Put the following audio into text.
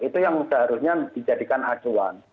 itu yang seharusnya dijadikan acuan